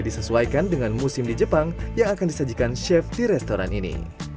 disesuaikan dengan musim di jepang yang akan disajikan chef di restoran ini